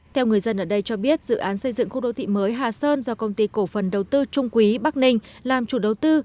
theo người dân ở đây cho biết dự án xây dựng khu đô thị mới hà sơn do công ty cổ phần đầu tư trung quý bắc ninh làm chủ đầu tư